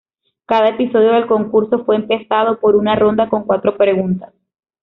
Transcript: Cada episodio del concurso fue empezado por una ronda con cuatro preguntas.